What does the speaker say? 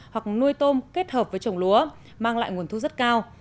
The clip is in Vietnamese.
hoặc nuôi tôm kết hợp với trồng lúa mang lại nguồn thu rất cao